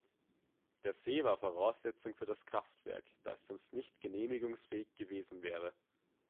Der See war Voraussetzung für das Kraftwerk, da es sonst nicht genehmigungsfähig gewesen wäre.